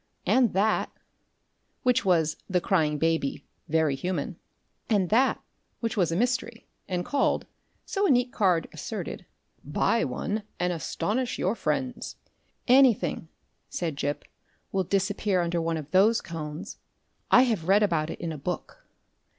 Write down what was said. And that" which was The Crying Baby, Very Human "and that," which was a mystery, and called, so a neat card asserted, "Buy One and Astonish Your Friends." "Anything," said Gip, "will disappear under one of those cones. I have read about it in a book.